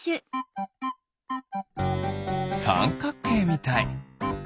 さんかっけいみたい。